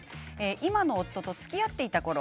今の夫とつきあっていたころ